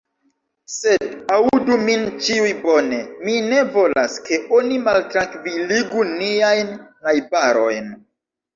Sed aŭdu min ĉiuj bone: mi ne volas, ke oni maltrankviligu niajn najbarojn.